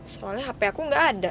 soalnya hp aku nggak ada